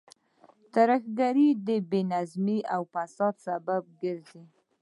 ترهګرۍ د بې نظمۍ او فساد سبب ګرځي.